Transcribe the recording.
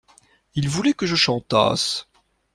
Il voulait que je chantasse.